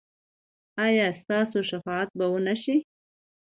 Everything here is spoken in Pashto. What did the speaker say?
ایا ستاسو شفاعت به و نه شي؟